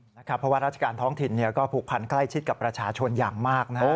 เพราะว่าราชการท้องถิ่นก็ผูกพันใกล้ชิดกับประชาชนอย่างมากนะครับ